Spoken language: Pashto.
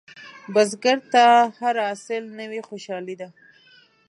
بزګر ته هر حاصل نوې خوشالي ده